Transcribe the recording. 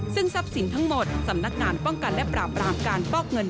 ซึ่งทรัพย์สินทั้งหมดสำนักงานป้องกันและปราบรามการฟอกเงิน